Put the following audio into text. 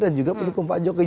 dan juga pendukung pak jokowi